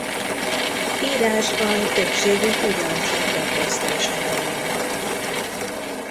Írásban többségük ugyancsak bekezdés elején van.